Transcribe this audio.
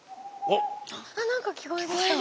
あっ何か聞こえてきた。